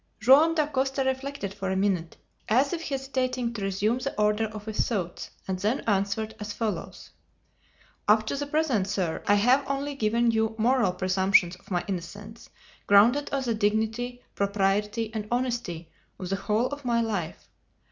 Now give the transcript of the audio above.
Joam Dacosta reflected for a minute as if hesitating to resume the order of his thoughts, and then answered as follows: "Up to the present, sir, I have only given you moral presumptions of my innocence grounded on the dignity, propriety, and honesty of the whole of my life.